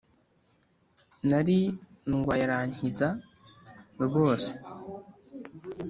Nari ndway’arankiza rwose